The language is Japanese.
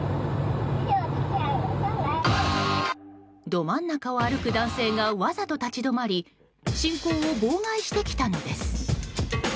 ど真ん中を歩く男性がわざと立ち止まり進行を妨害してきたのです。